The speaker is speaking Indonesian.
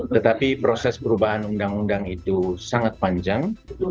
tetapi proses perubahan undang undang itu sangat panjang